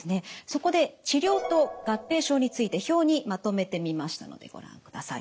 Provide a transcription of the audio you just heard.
そこで治療と合併症について表にまとめてみましたのでご覧ください。